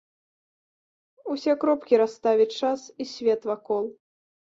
Усе кропкі расставіць час і свет вакол.